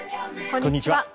こんにちは。